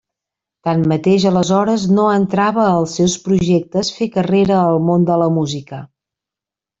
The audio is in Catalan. Tanmateix aleshores no entrava als seus projectes fer carrera al món de la música.